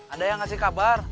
ada yang ngasih kabar